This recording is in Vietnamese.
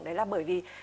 đấy là bởi vì